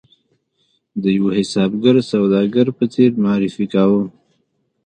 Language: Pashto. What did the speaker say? د یوه حسابګر سوداګر په څېر معرفي کاوه.